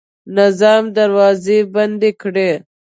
نظام دروازې بندې کړې.